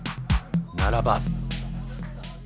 ならば。